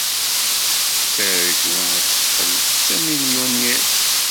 Tettargu ad teqqel d tamilyuniṛt.